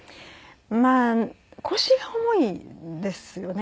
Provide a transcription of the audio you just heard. まあ腰が重いんですよね。